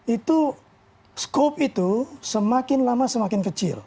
itu skop itu semakin lama semakin kecil